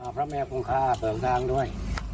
พระแม่คงค่าเบิกทางด้วย